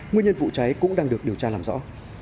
nguyên nhân vụ cháy cũng đang được điều tra làm rõ